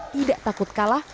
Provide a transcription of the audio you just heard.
tidak takut kalah